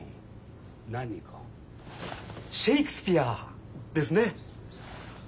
シェークスピアですね？